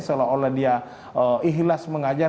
seolah olah dia ikhlas mengajar